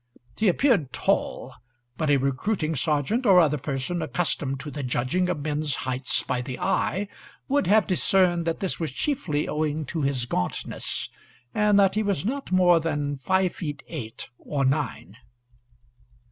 He appeared tall; but a recruiting sergeant, or other person accustomed to the judging of men's heights by the eye, would have discerned that this was chiefly owing to his gauntness, and that he was not more than five feet eight or nine.